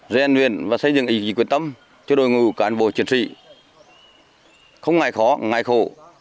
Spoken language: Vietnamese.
rèn luyện và xây dựng ý chí quyết tâm cho đội ngũ cán bộ chiến sĩ không ngại khó ngại khổ